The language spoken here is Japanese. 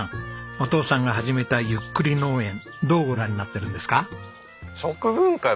お父さんが始めたゆっくり農縁どうご覧になってるんですか？